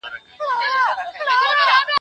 خداى دي نه كړي د قام بېره په رگونو